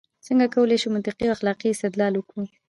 څنګه کولای شو منطقي او اخلاقي استدلال وکړو؟